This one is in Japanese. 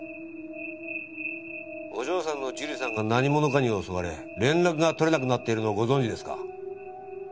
お嬢さんの樹里さんが何者かに襲われ連絡が取れなくなっているのをご存じですか？